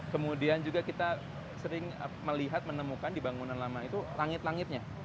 kemudian juga kita sering melihat menemukan di bangunan lama itu langit langitnya